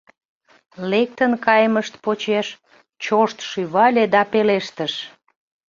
Лектын кайымышт почеш чошт шӱвале да пелештыш: